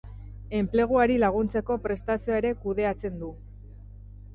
Enpleguari laguntzeko prestazioa ere kudeatzen du.